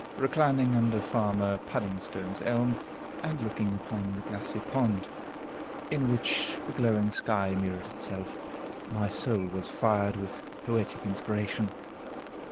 Reclining under Farmer Puddingstone's elm, and looking upon the glassy pond, in which the glowing sky mirrored itself, my soul was fired with poetic inspiration.